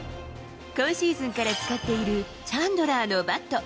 今シーズンから使っているチャンドラーのバット。